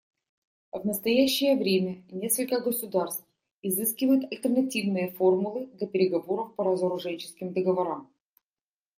В настоящее время несколько государств изыскивают альтернативные формулы для переговоров по разоруженческим договорам.